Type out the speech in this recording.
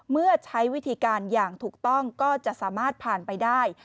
เมื่อใช้วิธีการอย่างถูกต้องก็จะสามารถผ่านไปได้